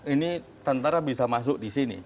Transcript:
ini tentara bisa masuk di sini